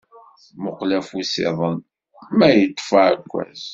Muqel afus-iḍen ma yeṭṭef aɛekkaz.